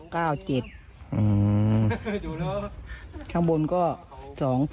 ข้างบนก็๒๔๕